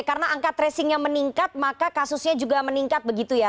karena angka tracingnya meningkat maka kasusnya juga meningkat begitu ya